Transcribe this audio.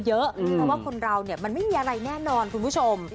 เพราะว่าคนเราเนี่ยมันไม่มีอะไรแน่นอนคุณผู้ชม